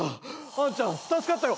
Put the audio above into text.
あんちゃん助かったよ。